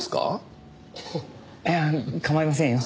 いや構いませんよ。